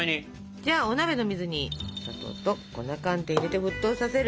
じゃあお鍋の水にお砂糖と粉寒天入れて沸騰させる。